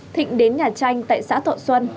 thịnh đến nhà tranh tại xã thọ xuân